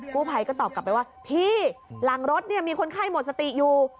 ผู้ภัยก็ตอบกลับไปว่าพี่หลังรถเนี่ยมีคนไข้หมดสติอยู่